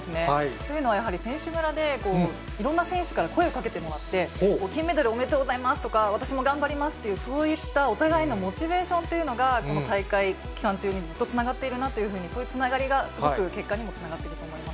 というのはやはり、選手村でいろんな選手から声かけてもらって、金メダル、おめでとうございますとか、私も頑張りますっていう、そういったお互いのモチベーションっていうのが、この大会期間中にずっとつながっているなっていう、そういうつながりがすごく結果にもつながっていると思います。